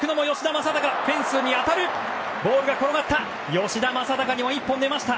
吉田正尚にも１本出ました。